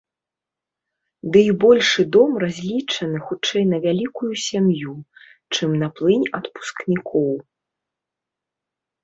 Дый большы дом разлічаны хутчэй на вялікую сям'ю, чым на плынь адпускнікоў.